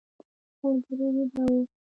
ملګري ویده و.